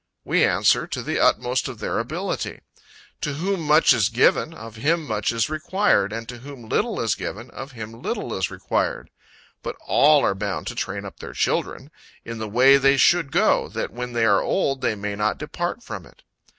We answer, to the utmost of their ability. To whom much is given, of him much is required, and to whom little is given, of him little is required. But all are bound to train up their children "in the way they should go, that when they are old, they may not depart from it."